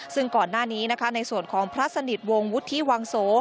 ซึ่งก่อนหน้านี้นะคะในส่วนของพระสนิทวงศ์วุฒิวังโส